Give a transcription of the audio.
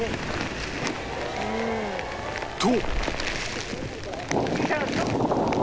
と！